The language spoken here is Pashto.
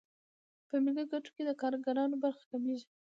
په ملي ګټو کې د کارګرانو برخه کمېږي